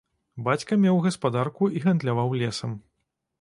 Бацька меў гаспадарку і гандляваў лесам.